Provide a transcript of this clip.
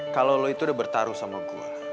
kalau lo itu udah bertaruh sama gue